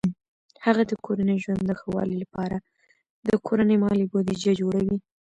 هغه د کورني ژوند د ښه والي لپاره د کورني مالي بودیجه جوړوي.